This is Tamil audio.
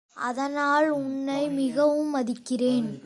அதனால் உன்னை மிகவும் மதிக்கிறேன்.